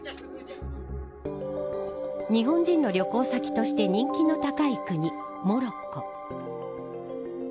日本人の旅行先として人気の高い国、モロッコ。